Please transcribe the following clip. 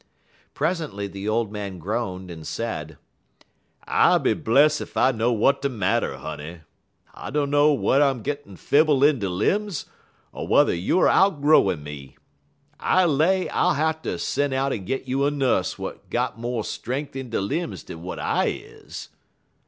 Presently the old man groaned, and said: "I be bless ef I know w'at de marter, honey. I dunner whe'er I'm a gittin' fibble in de lim's, er whe'er youer outgrowin' me. I lay I'll hatter sen' out en git you a nuss w'at got mo' strenk in dey lim's dan w'at I is."